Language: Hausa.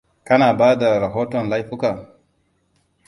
Kana bada rahoton laifuka?